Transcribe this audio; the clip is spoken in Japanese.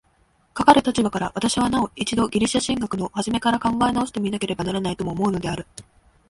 かかる立場から、私はなお一度ギリシヤ哲学の始から考え直して見なければならないとも思うのである。